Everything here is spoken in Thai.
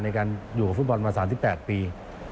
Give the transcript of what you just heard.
ในการอยู่ฟุตบอลมา๓๘ปี